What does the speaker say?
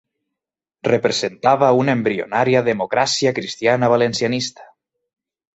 Representava una embrionària democràcia cristiana valencianista.